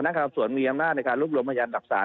ธนาคารส่วนมีอำนาจในการรวบรวมอัยัดหลักษร